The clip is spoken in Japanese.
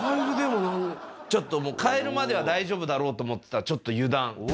ちょっとカエルまでは大丈夫だろうと思ってたら、ちょっと油断。